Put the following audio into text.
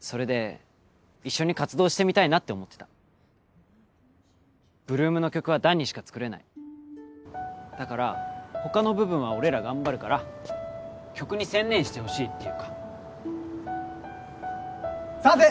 それで一緒に活動してみたいなって思ってた８ＬＯＯＭの曲は弾にしか作れないだから他の部分は俺ら頑張るから曲に専念してほしいっていうか賛成！